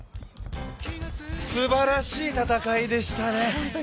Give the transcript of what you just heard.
すばらしい戦いでしたね。